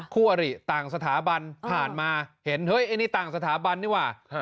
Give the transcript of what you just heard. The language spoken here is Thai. คู่อริต่างสถาบันผ่านมาเห็นเฮ้ยไอ้นี่ต่างสถาบันนี่ว่ะ